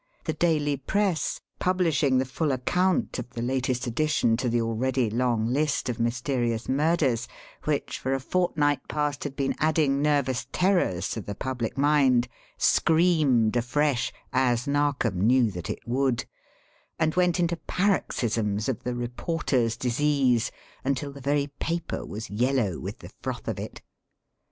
The daily press, publishing the full account of the latest addition to the already long list of mysterious murders which, for a fortnight past, had been adding nervous terrors to the public mind, screamed afresh as Narkom knew that it would and went into paroxysms of the Reporters' Disease until the very paper was yellow with the froth of it.